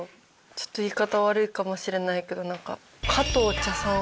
ちょっと言い方悪いかもしれないけど加藤茶さん